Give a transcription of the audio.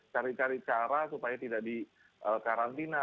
cari cari cara supaya tidak dikarantina